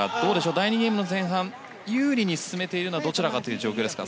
第２ゲームの前半有利に進めているのはどちらですか。